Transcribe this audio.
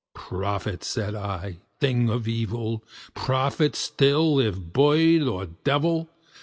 "Prophet!" said I, "thing of evil! prophet still, if bird or devil!